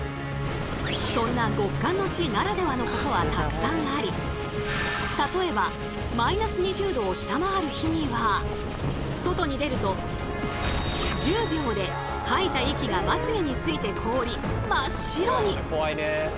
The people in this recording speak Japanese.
そんな極寒の地ならではのことはたくさんあり例えば外に出ると１０秒で吐いた息がまつげについて凍り真っ白に。